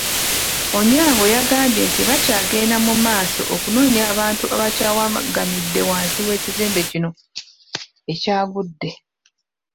Onyango yagambye nti bakyagenda mu maaso okunoonya abantu abakyawagamidde wansi w'ekizimbe kino ekyagudde.